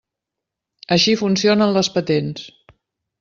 Així funcionen les patents.